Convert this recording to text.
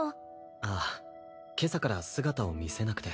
あぁ今朝から姿を見せなくて。